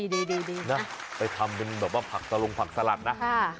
ดีนะไปทำเป็นแบบว่าผักสลงผักสลัดนะ